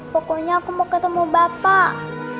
pokoknya aku mau ketemu bapak